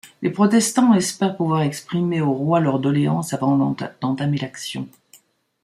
Les protestants espèrent pouvoir exprimer au roi leurs doléances avant d'entamer l'action.